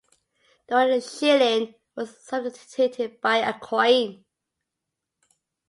The one Schilling was substituted by a coin.